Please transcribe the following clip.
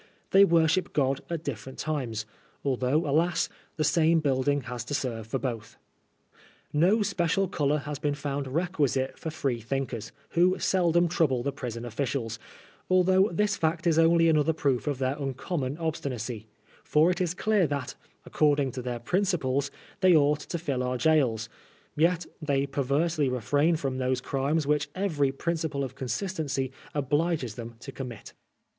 They worship Ood at different times, al though, alas ! the same building has to serve for both. No special color has been found requisite for Free thinkers, who seldom trouble the prison officials, al though this fact is only another proof of their uncom mon obstinacy ; for it is clear that, according to their principles, they ought to fill our gaols, yet they per versely refrain from those crimes which every principle of consistency obliges them to commit.